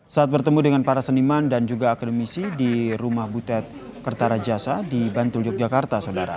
saat bertemu dengan para seniman dan juga akademisi di rumah butet kertarajasa di bantul yogyakarta saudara